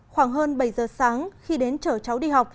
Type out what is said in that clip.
khoảng hơn bảy giờ sáng khi đến chở cháu đi học